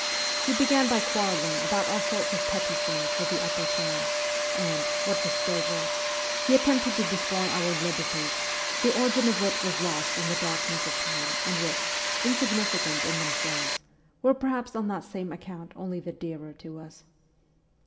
He began by quarrelling about all sorts of petty things with the upper form, and what was still worse he attempted to destroy our 'liberties/ the origin of which was lost in the darkness of time and which, insignificant in themselves, were perhaps on that same account only the dearer to us.